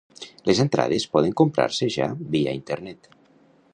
Les entrades poden comprar-se ja via internet.